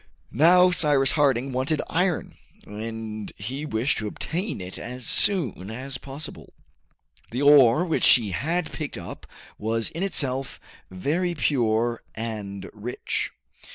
Now Cyrus Harding wanted iron, and he wished to obtain it as soon as possible. The ore which he had picked up was in itself very pure and rich.